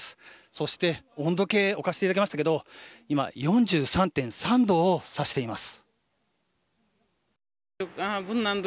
そして温度計を置かせていただきましたけど今、４３．３度を指しています。